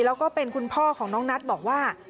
แล้วก็เป็นคุณพ่อของน้องนัทบอกว่า